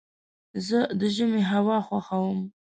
زه د ژمي هوا خوښوم.